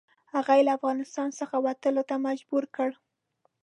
هغه یې له افغانستان څخه وتلو ته مجبور کړ.